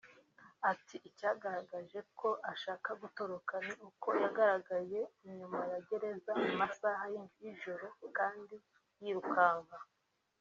Ati “Icyagaragaje ko ashaka gutoroka ni uko yagaragaye inyuma ya gereza mu masaha y’ ijoro kandi yirukanka